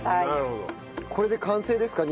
これで完成ですか？